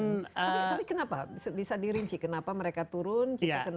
tapi kenapa bisa dirinci kenapa mereka turun